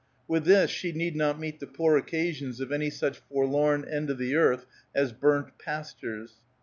With this she need not meet the poor occasions of any such forlorn end of the earth as Burnt Pastures.